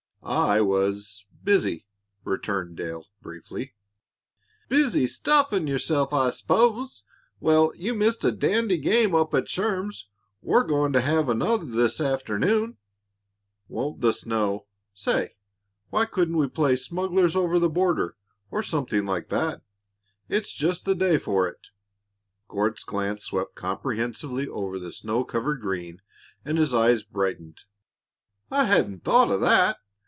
"I was busy," returned Dale, briefly. "Busy stuffing yourself, I s'pose. Well, you missed a dandy game up at Sherm's. We're going to have another this afternoon." "Won't the snow Say! Why couldn't we play 'Smugglers over the Border,' or something like that? It's just the day for it." Court's glance swept comprehensively over the snow covered green and his eyes brightened. "I hadn't thought of that.